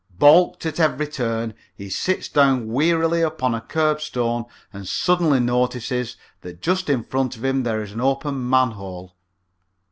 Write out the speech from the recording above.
Balked at every turn, he sits down wearily upon a curbstone and suddenly notices that just in front of him there is an open manhole.